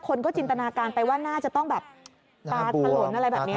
คนก็จินตนาการไปว่าน่าจะต้องแบบตาถลนอะไรแบบนี้